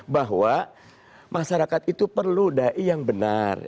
bahwa masyarakat itu perlu da'i yang benar